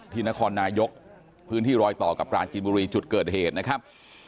นครนายกพื้นที่รอยต่อกับปราจีนบุรีจุดเกิดเหตุนะครับ